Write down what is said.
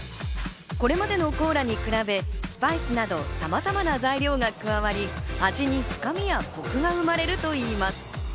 これまでのコーラに比べ、スパイスなどさまざまな材料が加わり、味に深みやコクが生まれるといいます。